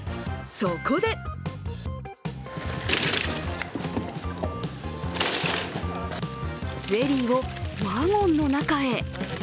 そこでゼリーをワゴンの中へ。